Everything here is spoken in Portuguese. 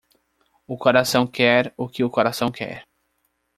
O coração quer o que o coração quer.